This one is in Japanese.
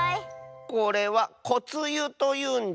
これは「こつゆ」というんじゃ。